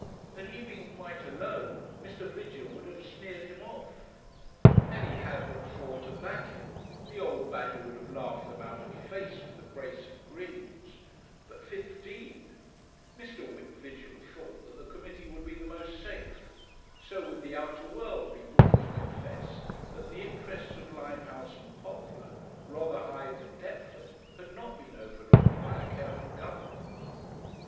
Had he been quite alone, Mr. Vigil would have sneered him off; had he had but four to back him, the old badger would have laughed them out of face with a brace of grins. But fifteen ! Mr. Whip Vigil thought that the committee would be the most safe. So would the outer world be brought to confess that the interests of Limehouse and Poplar, Rotherhithe and Deptford, had not been overlooked by a careful Government.